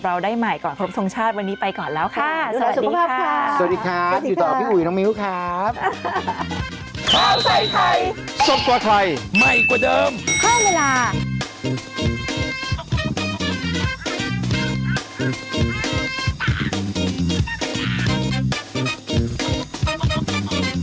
สวัสดีค่ะสวัสดีครับอยู่ต่อพี่อุ๋น้องมิ้วครับสวัสดีค่ะ